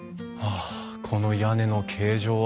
あこの屋根の形状は。